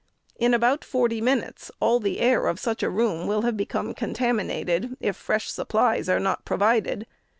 In about forty minutes, all the air of such a room will have become con taminated, if fresh supplies are not provided.